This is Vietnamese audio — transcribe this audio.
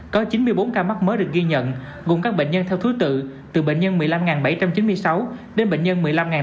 có chín mươi bốn ca mắc mới được ghi nhận gồm các bệnh nhân theo thứ tự từ bệnh nhân một mươi năm bảy trăm chín mươi sáu đến bệnh nhân một mươi năm tám trăm tám mươi chín